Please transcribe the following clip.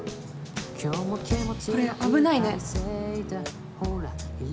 これ危ないね。